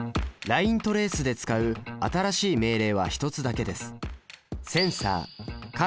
ライントレースで使う新しい命令は１つだけです。